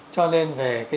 cho nên về chỗ